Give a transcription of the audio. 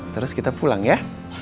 terus kita pulang ya